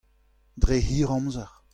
Dre hir amzer.